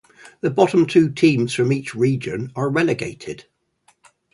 The bottom two teams from each region are relegated.